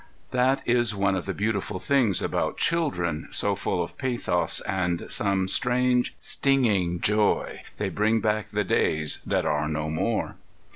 That is one of the beautiful things about children, so full of pathos and some strange, stinging joy they bring back the days that are no more.